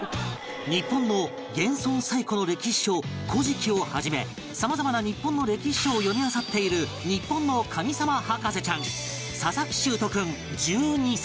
日本の現存最古の歴史書『古事記』をはじめさまざまな日本の歴史書を読みあさっている日本の神様博士ちゃん佐々木秀斗君１２歳